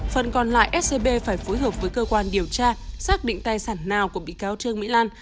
phần còn lại scb phải phối hợp với cơ quan điều tra xác định tài sản nào của bị cáo trương mỹ lan